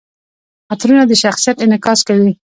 عطرونه د شخصیت انعکاس کوي.